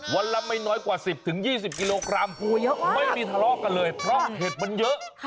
วันละไม่น้อยกว่า๑๐๒๐กิโลกรัมไม่มีทะเลาะกันเลยเพราะเห็ดมันเยอะ